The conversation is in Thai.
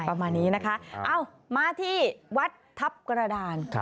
ประมาณนี้นะคะเอ้ามาที่วัดทัพกระดาน